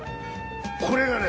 これがね